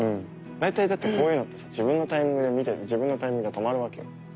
大体だってこういうのってさ自分のタイミングで見て自分のタイミングで止まるわけよ。